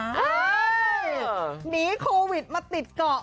หนีโควิดมาติดเกาะ